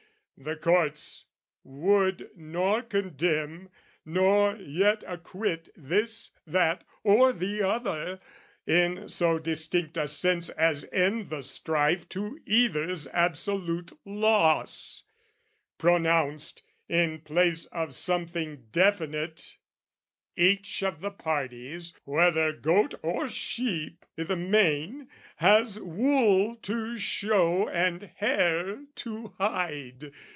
The courts would nor condemn nor yet acquit This, that, or the other, in so distinct a sense As end the strife to either's absolute loss: Pronounced, in place of something definite, "Each of the parties, whether goat or sheep "I' the main, has wool to show and hair to hide.